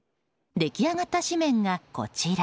出来上がった紙面がこちら。